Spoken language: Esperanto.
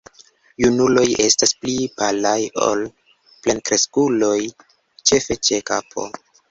Junuloj estas pli palaj ol plenkreskuloj, ĉefe ĉe kapo.